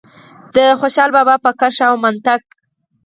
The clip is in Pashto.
د خوشال بابا په کرښه او منطق.